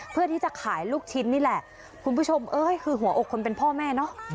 เพื่อที่จะขายลูกชิ้นนี่แหละคุณผู้ชมเอ้ยคือหัวอกคนเป็นพ่อแม่เนอะ